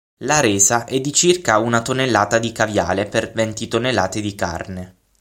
La resa è di circa una tonnellata di caviale per venti tonnellate di carne.